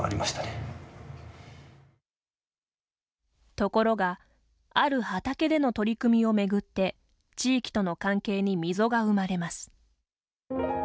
ところがある畑での取り組みをめぐって地域との関係に溝が生まれます。